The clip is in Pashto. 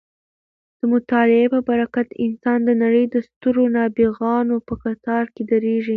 د مطالعې په برکت انسان د نړۍ د سترو نابغانو په کتار کې درېږي.